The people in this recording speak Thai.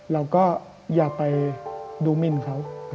เราก็อย่าไปดูมินเขา